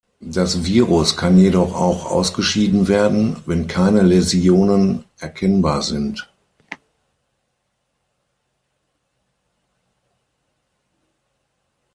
Das Virus kann jedoch auch ausgeschieden werden, wenn keine Läsionen erkennbar sind.